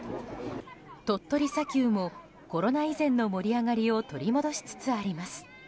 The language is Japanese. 鳥取砂丘もコロナ以前の盛り上がりを取り戻しつつあります。